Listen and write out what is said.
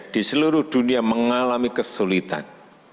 di seluruh dunia mengalami kesulitan